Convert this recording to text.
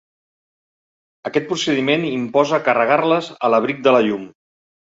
Aquest procediment imposa carregar-les a l'abric de la llum.